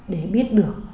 để biết được